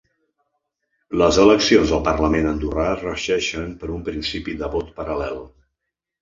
Les eleccions al parlament andorrà es regeixen per un principi de vot paral·lel.